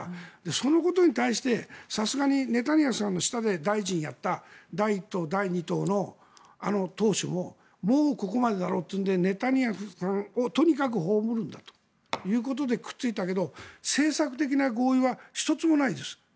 そのことに対してさすがにネタニヤフさんの下で大臣をやった第１党、第２党のあの党首ももうここまでだろうということでネタニヤフさんをとにかく葬るんだということでくっついたけど政策的な合意は１つもないです。